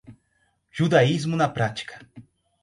Judaísmo na prática